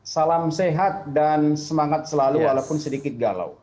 salam sehat dan semangat selalu walaupun sedikit galau